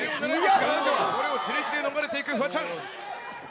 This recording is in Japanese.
これを自力で逃れていくフワちゃん。